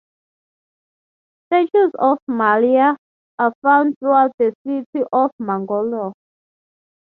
Statues of Mallya are found throughout the city of Mangalore.